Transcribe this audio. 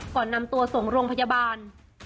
ก่อนนำตัวส่งโรงพยาบาล